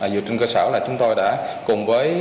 dự trình cơ sở là chúng tôi đã cùng với